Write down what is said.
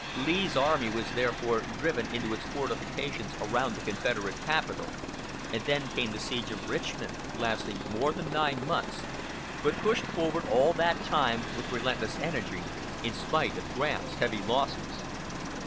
Lee's army was therefore driven into its fortifications around the Confederate capital and then came the siege of Richmond, lasting more than nine months, but pushed forward all that time with relentless energy, in spite of Grant's heavy losses.